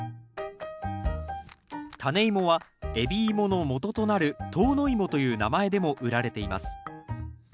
タネイモは海老芋のもととなる唐の芋という名前でも売られています。